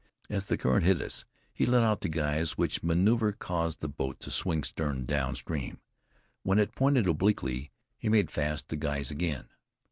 As the current hit us, he let out the guys, which maneuver caused the boat to swing stern downstream. When it pointed obliquely, he made fast the guys again.